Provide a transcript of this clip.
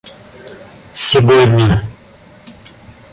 сегодня